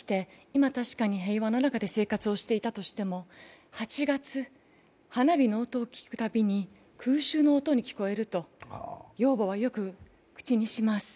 今、確かに平和の中で生活していたとしても、８月、花火の音を聞くたびに空襲の音に聞こえると、養母はよく口にします。